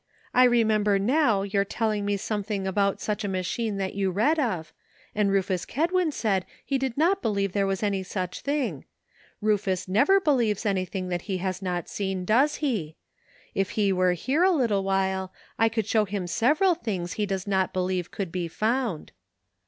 I remember now your telling me some thing about such a machine that you read of, 260 LEARNING. and Rufus Kedwin said he did not believe there was any such thing. Rufus never believes any thing that he has not seen, does he? If he were here a little while 1 could show him sev eral things he does not believe could be found."